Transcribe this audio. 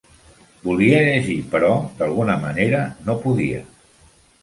Volia llegir, però d'alguna manera no podia.